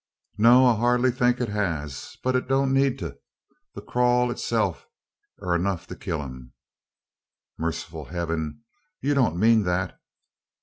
"No, I hardly think it hez. But it don't need thet. The crawl o' itself air enuf to kill him!" "Merciful Heaven! you don't mean that?"